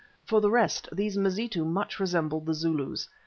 For the rest, these Mazitu much resembled the Zulus.